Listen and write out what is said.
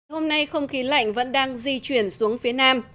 hôm nay không khí lạnh vẫn đang di chuyển xuống phía nam